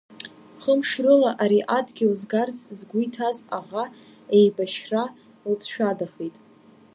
Хымш рыла ари адгьыл згарц згәы иҭаз аӷа, еибашьра лҵшәадахеит…